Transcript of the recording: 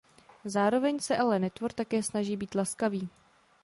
Zároveň se ale netvor také „snaží být laskavý“.